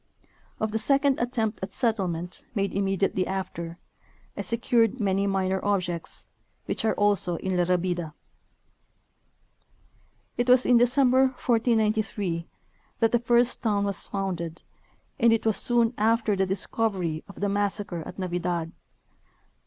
Of the second attempt at settlement, made immediately after, I secured many minor objects, which are also in La Rabida. It was in December, 1493, that the first town was founded, and it was soon after the discovery of the massacre at Navidad.